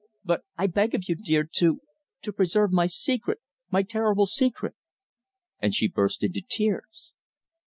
But I beg of you, dear, to to preserve my secret my terrible secret!" And she burst into tears.